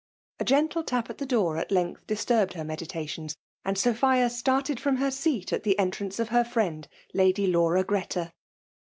A gentle tap at the door at length disturbed her meditations^ and Sophia started from her seat at the entrance of her friend Lady Laura Greta.